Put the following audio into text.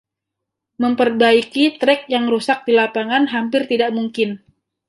Memperbaiki trek yang rusak di lapangan hampir tidak mungkin.